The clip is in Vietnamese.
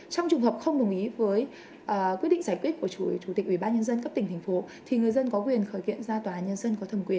trong trùng hợp không đồng ý với quyết định giải quyết của chủ tịch ubnd cấp tỉnh thành phố